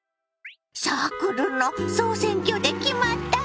サークルの総選挙で決まったのよ。